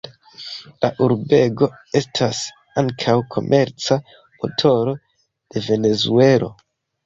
La urbego estas ankaŭ komerca motoro de Venezuelo.